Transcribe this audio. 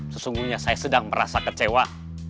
sesungguhnya saya sedang merasa kecewa